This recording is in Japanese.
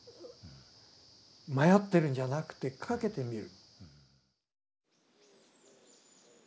迷ってるんじゃなくて賭けてみる。